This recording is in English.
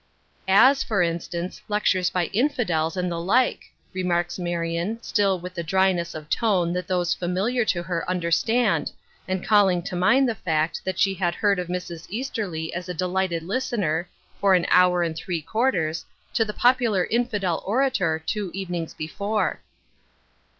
"As, for instance, lectures by infidels, and the like," remarks Marion, still with the dryness of tone that those familiar to her understand, and calling to mind the fact that she had heard of Mrs. Easterly as a delighted listener, for an hour and three quarters, to the popular infidel orator, two evenings before.